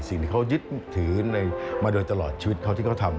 สิ่งที่เขายึดถือมาโดยตลอดชีวิตเขาที่เขาทำ